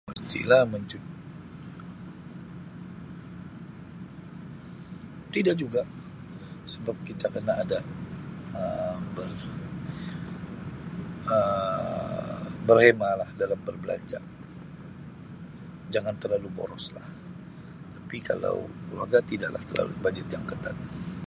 [unintelligible] Tidak juga sebab kita kena ada Um ber Um berhemah lah dalam berbelanja jangan terlalu boros lah tapi kalau keluarga tidak lah terlalu bajet yang ketat.